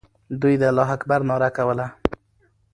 دوی د الله اکبر ناره کوله.